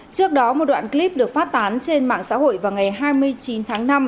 trước đó một đoạn clip được phát tán trên mạng xã hội vào ngày hai mươi chín tháng năm